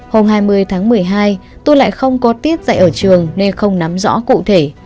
hôm hai mươi tháng một mươi hai tôi lại không có tiết dạy ở trường nên không nắm rõ cụ thể